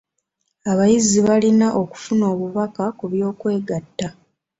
Abayizi bayina okufuna obubaka ku by'okwegatta.